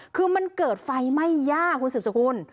คือมันเกิดไฟไม่ยากคุณสิบสักคุณ